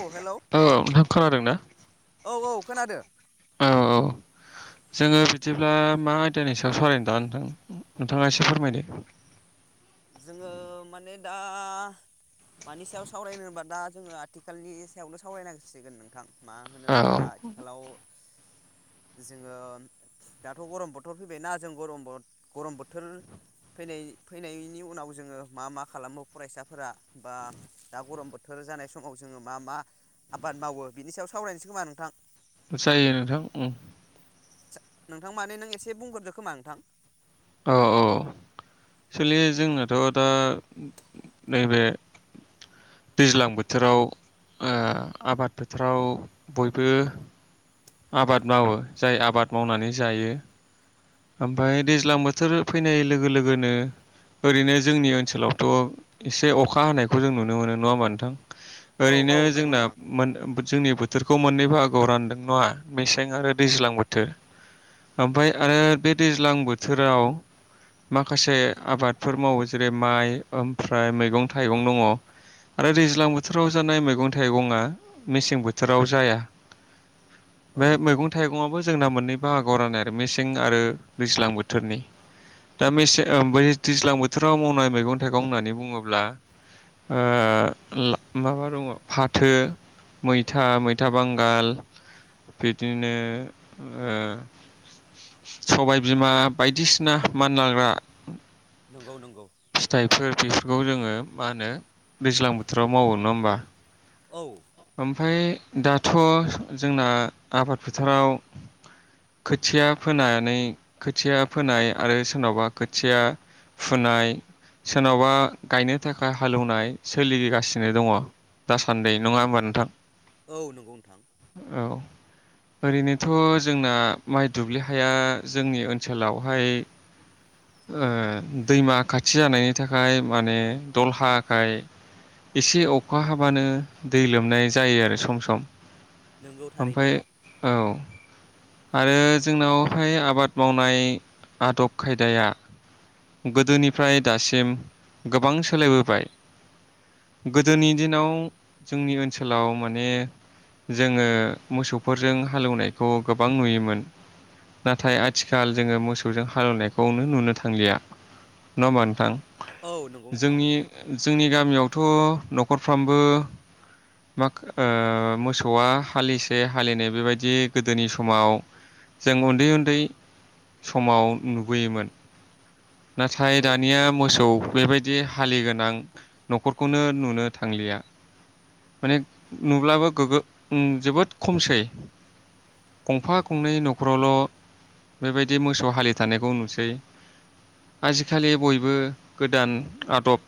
औ हेलौ औ नोंथां खोनादों ना खोनादों औ औ जोङो बिदिब्ला मा आयदानि सायाव सावरायनो दा नोंथां नोंथाङा एसे फोरमायदो जोङो माने दा मानि सायाव सावरायनो होनबा दा जोङो आथिखालनि सायावनो सावरायनांसिगोन नोंथां मा औ होनोब्ला आथिखालाव जोङो दाथ' गरम बोथोर फैबाय ना जों गम गरम बोथोर फैनाय फैनाय बिनि उनाव जोङो मा मा खालामो फरायसाफोरा बा दा गरम बोथोर जानाय समाव जोङो मा मा आबाद मावो बिनि सायाव सावरायनोसै खोमा नोंथां जायो नोंथां म नोंथां माने नों एसे बुंहरदो खोमा नोंथां औ औ एक्सुलि जोंनाथ' दा नैबे दैज्लां बोथोराव ओ आबाद बोथोराव बयबो आबाद मावो जाय आबाद मावनानै जायो ओमफ्राय दैज्लां बोथोर फैनाय लोगो लोगोनो ओरैनो जोंनि ओनसोलावथ' एसे अखा हानायखौ जों नुनो मोनो नङा होमा नोंथां औ ओरैनो औ नंगौ जोंना नोंथां [unintelligible] थोरखौ मोननै बाहागोआव आव रानदों नङा मेसें आरो दैज्लां बोथोर ओमफ्राय आरो बे दैज्लां बोथोराव माखासे आबादफोर मावो जेरै माइ ओमफ्राय मैगं थाइगं दङ आरो दैज्लां बोथोराव जानाय मैगं थाइगंआ मेसें बोथोराव जाया औ बे मैगं थाइगं आबो जोंना मोन्नै बाहागोआव राननाय आरो मेसें आरो दैज्लां बोथोरनि दा मेसें ब दैज्लां बोथोराव मावनाय मैगं थाइगं होननानै बुङोब्ला माबा दङ फाथो मैथा मैथा बांगाल बिदिनो सबायबिमा बायदिसिना मानलाग्रा नंगौ नंगौ सोर बेफोरखौ जोङो मा होनो दैज्लां बोथोराव मावो नङा होमबा औ ओमफाय दाथ' जोंना आबाद फोथाराव खोथिया फोनानै खोथिया फोनाय आरो सोरनावबा खोथिया फुनाय सोरनावबा गायनो थाखाय हालेवनाय सोलिगासिनो दङ दासान्दि नङा होमबा नोंथां औ नंगौ नोंथां औ ओरैनोथ' जोंना माइ दुब्लि हाया जोंनि ओनसोलावहाय ओ दैमा खाथि जानायनि थाखाय माने दलहा खाय एसे अखा हाबानो दै लोमनाय जायो आरो सम सम नोंगौ थारैनो ओमफ्राय औ आरो जोंनावहाय आबाद मावनाय आदब खायदाया गोदोनिफ्राय दासिम गोबां सोलायबोबाय गोदोनि दिनाव जोंनि ओनसोलाव माने जोङो मोसौफोरजों हालेवनायखौ गोबां नुयोमोन नाथाय आथिखाल जोङो मोसौजों हालेवनायखौनो नुनो थांलिया नङा होमबा नोंथां औ नंगौ नोंथां जोंनि जोंनि गामियावथ' न'खरफ्रामबो ओ मोसौआ हालिसे हालिनाय बेबायदि गोदोनि समाव जों उन्दै उन्दै समाव नुबोयोमोन नाथाय औ दानिया मोसौ बेबायदि हालिगोनां न'खरखौनो नुनो थांलिया माने नुब्लाबो गोगो जोबोद खमसै गंफा गंनै न'खरावल' बेबायदि मोसौ हालि थानायखौ नुसै आजिखालि बयबो गोदान आदब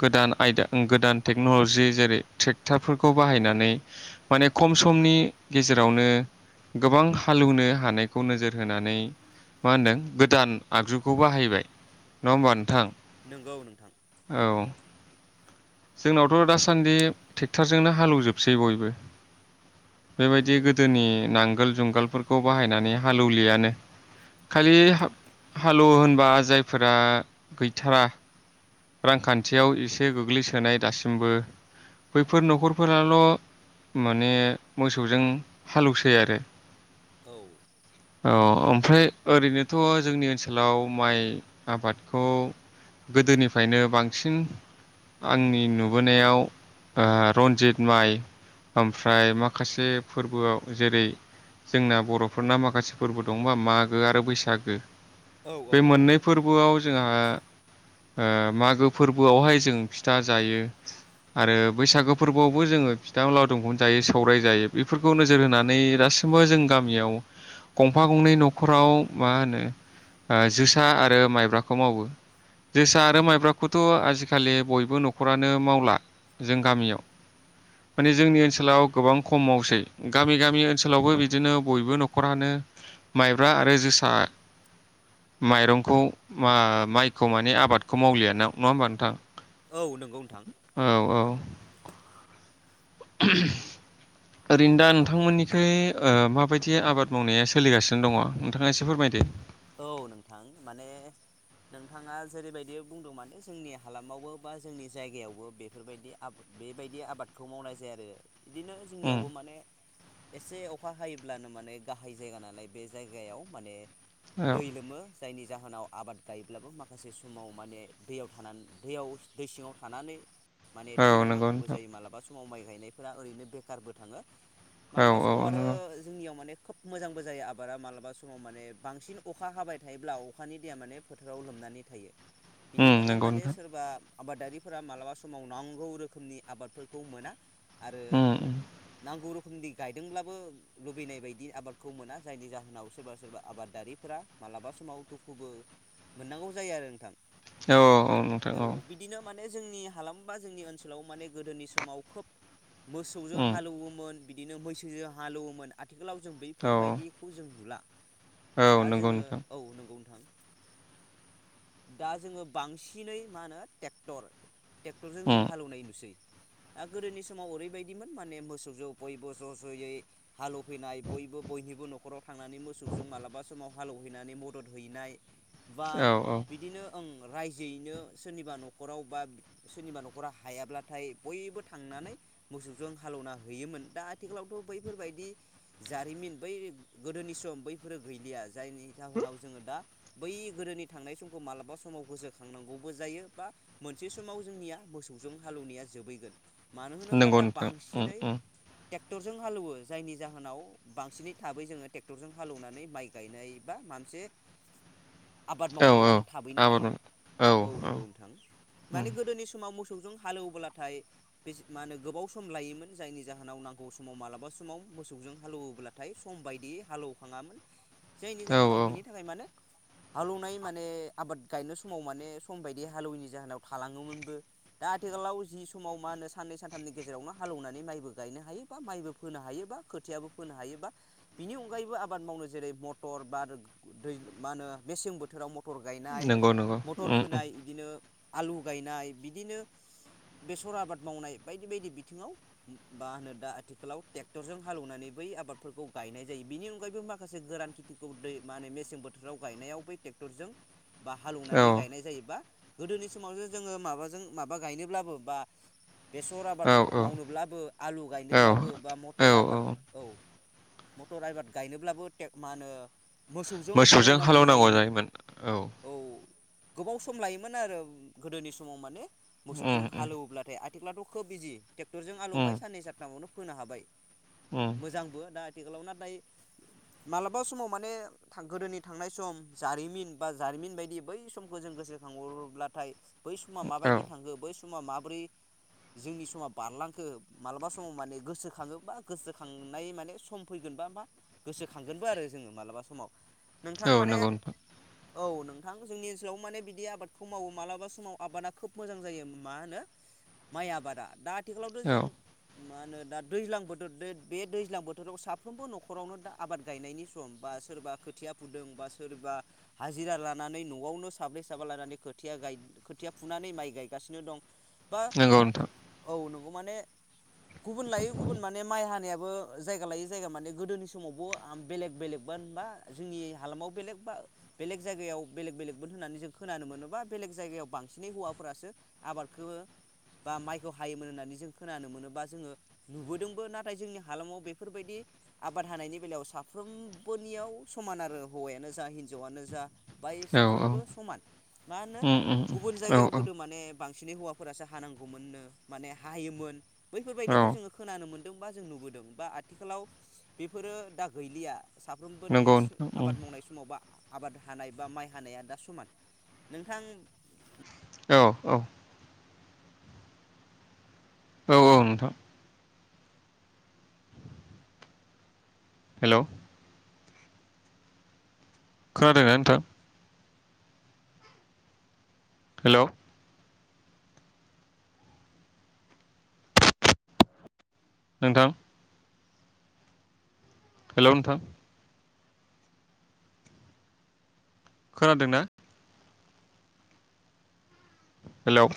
गोदान आयदा गोदान टेक्न'लजि जेरै ट्रेक्टरफोरखौ बाहायनानै माने खम समनि गेजेरावनो गोबां हालौवनो हानायखौ नोजोर होनानै मा होनदों गोदान आगजुखौ बाहायबाय नङा हबा नोंथां नंगौ नोंथां औ जोंनावथ' दासान्दि ट्रेक्टरजोंनो हालौजोबसै बयबो बेबायदि नंगौ गोदोनि नांगोल जुंगाल आगालफोरखौ बाहायनानै हालौलियानो खालि हालौवो होनबा जायफोरा गैथारा रांखान्थियाव एसे गोग्लैसोनाय दासिमबो बैफोर न'खरफोराल' माने मोसौजों हालौसै आरो औ औ ओमफ्राय ओरैनोथ' जोंनि ओनसोलाव माइ आबादखौ गोदोनिफ्राय फ्रायनो बांसिन आंनि नुबोनायाव ओ रन्जित माइ ओमफ्राय माखासे फोरबोआव जेरै जोंना बर'फोरना माखासे फोरबो दंबा मागो आरो बैसागो औ औ बे मोननै फोरबोआव जोंहा ओ मागो फोरबोआवहाय जों फिथा जायो आरो बैसागो फोरबोआवबो जोङो फिथा लावदुमखौनो जायो सौराय जायो बेफोरखौ नोजोर होनानै दासिमबो जों गामियाव गंफा गंनै न'खराव मा होनो ओ जोसा आरो माइब्राखौ मावो जोसा आरो माइब्राखौथ' आजिखालि बयबो न'खरानो मावला जों गामियाव माने जोंनि ओनसोलाव गोबां खम मावसै गामि गामि ओनसोलावबो बिदिनो बयबो न'खरानो माइब्रा आरो जोसा माइरंखौ मा-माइखौ मान माने आबादखौ मावलिया नङा होमबा नोंथां औ नंगौ नोंथां औ औ ओरैनो दा नोंथांमोननिखै ओ माबायदि आबाद मावनाया सोलिगासिनो दङ नोंथाङा एसे फोरमायदो औ नोंथां माने नोंथाङा जेरैबायदि बुंदों माने जोंनि हालामावबो बा जोंनि जायगायावबो बेफोरबायदि बेबायदि आबादखौ मावनाय जायो आरो बिदिनो उम जोंनियावबो माने एसे अखा हायोब्लानो माने गाहाय जायगा नालाय बे जायगायाव माने औ दै लोमो जायनि जाहोनाव आबाद गायोब्लाबो माखासे समाव माने दैयाव थानानै दैयाव दै सिङाव थानानै माने औ नंगौ थैलांनांगौबो नोंथां जायो मालाबा समाव माइ गायनायफोरा ओरैनो बेखारबो थाङो औ मालाबा औ समाव आरो नंगौ जोंनियाव माने खोब मोजांबो जायो आबादा मालाबा समाव माने बांसिन अखा हाबाय थायोब्ला अखानि दैया माने फोथाराव लोमनानै थायो उम बिनि थाखाय नंगौ नोंथां माने सोरबा आबादारिफोरा मालाबा समाव नांगौ रोखोमनि आबादफोरखौ मोना आरो उम नांगौ रोखोम गायदोंब्लाबो लुबैनाय बायदि आबादखौ मोना जायनि जाहोनाव सोरबा सोरबा आबादारि फोरा मालाबा समाव कस्टखौबो मोननांगौ जायो आरो नोंथां औ औ नोंथां औ माने जोंनि हालाम बा जोंनि ओनसोलाव माने गोदोनि समाव खोब मोसौजों उम हालौवोमोन बिदिनो मैसोजों हालौवोमोन। आथिखालाव जों औ बैफोरबायदिखौ जों नुला। औ दा नंगौ जोङो नोंथां औ नंगौ नोंथां दा जोङो बांसिनै मा होनो टेक्टर टेक्टरजों जों उम हालेवनाय नुसै। दा गोदोनि समाव ओरैबायदिमोन माने मोसौजों बयबो ज' ज'यै हालौफैनाय बयबो बयनिबो न'खराव थांनानै मोसौजों मालाबा समाव हालौहैनानै मदद हैनाय। बा औ औ बिदिनो ओं रायजोयैनो सोरनिबा न'खराव बा सोरनिबा न'खराव हायाब्लाथाय बयबो थांनानै मोसौजों हालेवना हैयोमोन दा आथिखालावथ' बैफोरबायदि जारिमिन बै गोदोनि सम बैफोरो गैलिया जायनि जाहोनाव जोङो दा बै गोदोनि थांनाय समखौ मालाबा समाव गोसोखांनांगौबो जायो बा मोनसे समाव जोंनिया मोसौजों हालौवनाया जोबैगोन। मानो होनोब्ला नंगौ दा नोंथां उम बांसिनै उम टेक्टरजों हालौवो जायनि जाहोनाव बांसिनै थाबै जोङो टेक्टरजों हालेवनानै माइ गायनाय बा माबा मोनसे आबाद औ मावनायाव जों औ थाबैनो आबाद हायो माव औ नंगौ नोंथां उम माने गोदोनि समाव मोसौ मोसौजों हालेवब्लाथाय बे मा होनो गोबाव सम लायोमोन जायनि जाहोनाव नांगौ समाव मालाबा समाव मोसौजों हालौव्लाथाय सम बायदियै हालेवखाङामोन। जायनि औ जाहोनाव औ बिनि थाखाय मानो हालौवनाय माने आबाद गायनाय समाव माने सम बायदि हालौवैनि जाहोनाव थालाङोमोनबो दा आथिखालाव जि समाव मा होनो साननै सानथामनि गेजेरावनो हालौवनानै माइबो गायनो हायो बा माइबो फोनो हायो बा खोथियाबो फोनो हायो बा बिनि अनगायैबो आबाद मावनो जेरै मटर बा दै मा होनो मेसें बोथोराव मटर गायनाय नंगौ नंगौ मटर उम उम फोनाय इदिनो आलु गायनाय बिदिनो बेसर आबाद मावनाय बायदि बायदि बिथिङाव मा होनो दा आथिखालाव टेक्टरजों हालेवनानै बै आबादफोरखौ गायनाय जायो बेनि अनगायैबो मा खासे गोरान खेथिखौ दै माने मेसें बोथोराव गायनायाव बै टेक्टरजों बा औ हालौवनानै गायनाय जायोबा गोदोनि समावसो जोङो माबाजों माबा गायनोब्लाबो बा बेसर आबाद औ औ मावनोब्लाबो आलु औ गायनोब्लाबो बा मटर आबाद औ मटर आबाद गायनोब्लाबो [unintelligible] मा होनो? मोसौजों हालेवनांगौ जायोमोन औ गोबाव सम लायोमोन आरो गोदोनि समाव माने मोसौजों उम उम हालेवोब्लाथाय आथ [unintelligible] खोब बिजि टेक टरजों उम हालौबाय साननै सानथामावनो फोनो हाबाय। उम मोजांबो दा आथिखालाव ना दायो मालाबा समाव माने थां गोदोनि थांनाय सम जारिमिन बा जारिमिन बायदि बै समखौ जों गोसोखांहर रोब्लाथाय बै समा औ माबायदि थांखो बै स मा माब्रै जोंनि समा बारलांखो मालाबा समाव माने गोसोखाङोबा गोसोखांनाय माने सम फैगोन बा मा गोसो खांगोनबो आरो जोङो मालाबा समाव नोंथां औ माने नंगौ नोंथां औ नोंथां जोंनि ओनसोलाव माने बिदि आबादखौ मावो मालाबा समाव आबादा खोब मोजां जायो मा होनो माइ आबादा दा आथिखालावथ' औ जों मा होनो दा दैज्लां बोथोर दो बे दैज्लां बोथोराव साफ्रोमबो न'खरावनो दा आबाद गायनायनि सम बा सोरबा खोथिया फुदों बा सोरबा हाजिरा लानानै न'आवनो साब्रै साबा लानानै खोथिया गाइ खोथिया फुनानै माइ गायगासिनो दं बा नंगौ नोंथां औ नं गौ माने गुबुन लायै गुबुन माने माइ हानायाबो जायगा लायै जायगा माने गोदोनि समावबो आम बेलेग बेलेग मोन बा जोंनि हालामाव बेलेग बा बेलेग जायगायाव बेलेग बेलेगमोन होननानै जों खोनानो मोनोबा बेलेग जायगायाव बांसिनै हौवाफोरासो आबादखौ बा माइखौ हायोमोन होननानै जों खोनानो मोन बा जोङो नुबोदोंबो नाथाय जोंनि हालामाव बेफोरबायदि आब बाद हानायनि बेलायाव साफ्रोमबोनियाव समान आरो हौवायानो जा हिन्जावआनो जा बाहाय औ औ साफ्रोमबो समान मा होनो उम उम गुबुन औ जायगायाव गोदो माने बांसिनै हौवाफोरासो हानांगौमोननो माने हाहोयोमोन औ बैफोरबायदिखौ जोङो खोनानो मोन दों बा जों नुबोदों बा आथिखालाव बेफोरो दा गैलिया साफ्रोमबोनि नंगौ सु नोंथां उम आबाद मावनाय समावबा आबाद हानाय बा माइ हानाया दा समान नोंथां औ औ औ औ नोंथां हेल' खोनादों ना नोंथां हेल' नोंथां हेल' नोंथां खोनादोंना हेल'